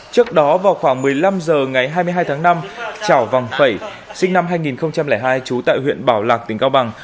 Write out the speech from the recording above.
trước đó vào khoảng một mươi năm h ngày hai mươi hai tháng năm trảo vòng phẩy sinh năm hai nghìn hai trú tại huyện bảo lạc tỉnh cao bằng